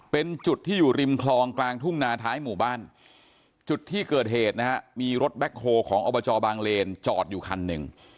เป็นจุดที่อยู่ริมคลองกลางทุ่งนาท้ายหมู่บ้านจุดที่เกิดเหตุนะฮะมีรถแบ็คโฮของอบจบางเลนจอดอยู่คันหนึ่ง